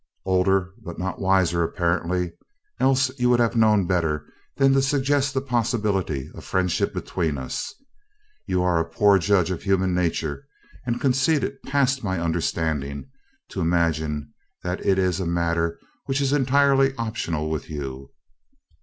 "Older but not wiser, apparently, else you would have known better than to suggest the possibility of friendship between us. You are a poor judge of human nature, and conceited past my understanding, to imagine that it is a matter which is entirely optional with you."